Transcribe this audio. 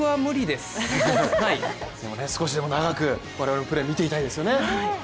でも少しでも長く我々もプレーを見ていたいですよね。